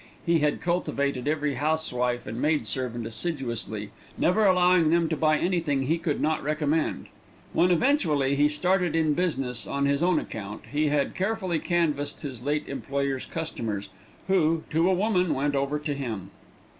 He had cultivated every housewife and maid servant assiduously, never allowing them to buy anything he could not recommend. When eventually he started in business on his own account, he had carefully canvassed his late employer's customers, who, to a woman, went over to him.